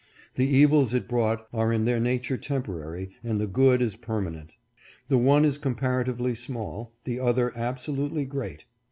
The evils it brought are in their nature temporary, and the good is permanent. The one is com paratively small, the other absolutely great.